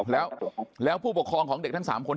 แล้วผู้ปกครองของเด็กทั้ง๓คน